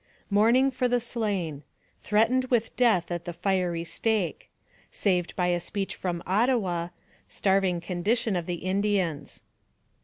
MOURNING FOB THE SLAIN THREATENED WITH DEATH AT THE FIEBT STAKE SAVED BY A SPEECH FROM OTTAWA STARVING CONDITION OF THE INDIANS.